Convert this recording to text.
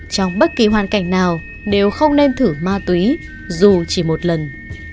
trong bất kỳ hoàn cảnh nào đều không nên thử ma túy dù chỉ một lần